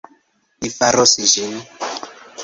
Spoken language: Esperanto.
Li faros ĝin